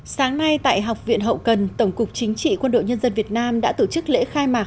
sáng nay tại học viện hậu cần tổng cục chính trị quân đội nhân dân việt nam đã tổ chức lễ khai mạc